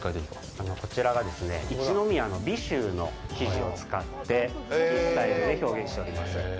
こちらが一宮の尾州の生地を使ってテキスタイルで表現しております。